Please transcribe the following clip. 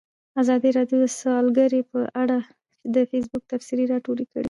ازادي راډیو د سوداګري په اړه د فیسبوک تبصرې راټولې کړي.